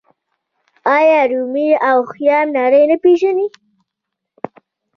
آیا رومي او خیام نړۍ نه پیژني؟